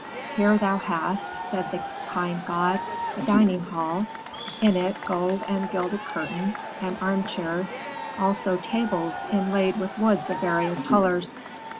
"'Here thou hast,' said the kind god, 'a dining hall; in it gold and gilded curtains, and armchairs, also tables inlaid with woods of various colors.